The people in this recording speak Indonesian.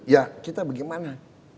ya kita bagaimana